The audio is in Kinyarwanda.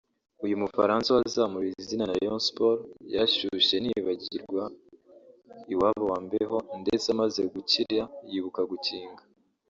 uyu Mufaransa wazamuriwe izina na Rayon Sports yarashyushye ntiyibagirwa iwabo wa mbeho ndetse amaze gukira yibuka gukinga